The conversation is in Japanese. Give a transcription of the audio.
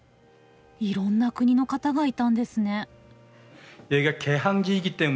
いろんな国の方がいたんですね。